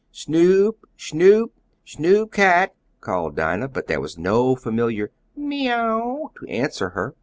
"Snoop! Snoop! Snoop Cat!" called Dinah, but there was no familiar "me ow" to answer her.